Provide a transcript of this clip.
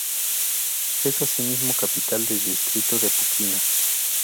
Es asimismo capital del distrito de Puquina.